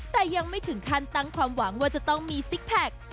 แต่ยังไม่ถึงขั้นตั้งความหวังว่าจะต้องมีซิกแพค